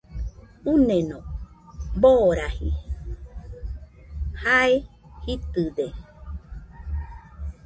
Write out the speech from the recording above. Uneno baraji, jea jitɨde